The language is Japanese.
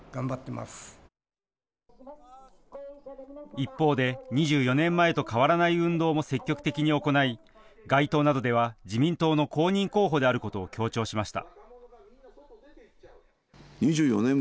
一方で２４年前と変わらない運動も積極的に行い街頭などでは自民党の公認候補であることを強調しました。